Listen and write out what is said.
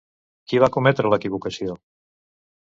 Qui va cometre l'equivocació?